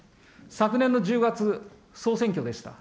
昨年の１０月、総選挙でした。